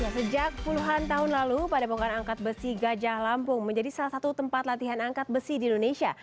sejak puluhan tahun lalu padepokan angkat besi gajah lampung menjadi salah satu tempat latihan angkat besi di indonesia